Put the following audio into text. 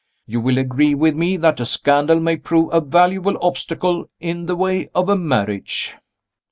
You will agree with me that a scandal may prove a valuable obstacle in the way of a marriage.